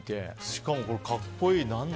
しかも、格好いい。